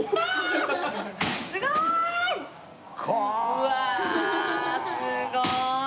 うわすごい。